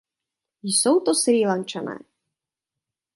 Jsou to Srílančané.